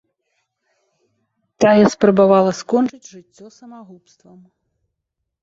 Тая спрабавала скончыць жыццё самагубствам.